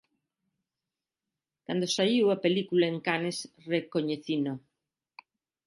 Cando saíu a película en Cannes recoñecino.